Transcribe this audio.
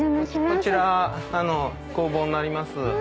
こちら工房になります。